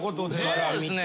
そうですね。